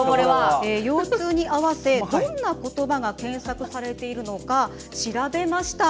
「腰痛」に合わせどんな言葉が検索されているのか調べました。